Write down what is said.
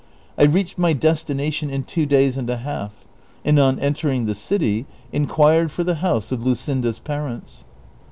I reached my destination in two days and a half, and on entering the city inquired for the house of Luscinda's parents.